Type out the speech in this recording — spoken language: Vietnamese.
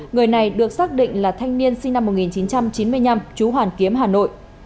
người này được xác định là thanh niên sinh năm một nghìn chín trăm chín mươi năm chú hoàn kiếm hà nội